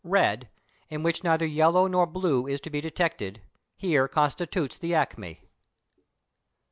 Red, in which neither yellow nor blue is to be detected, here constitutes the acme.